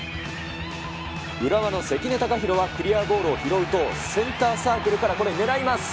浦和の関根貴大は、クリアボールを拾うと、センターサークルから、これ、狙います。